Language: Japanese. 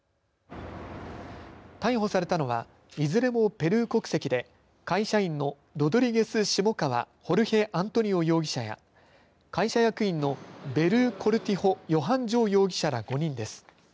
逮捕されたのはいずれもペルー国籍で会社員のロドリゲス・シモカワ・ホルヘ・アントニオ容疑者や会社役員のベルー・コルティホ・ヨハン・ジョー容疑者ら５人です。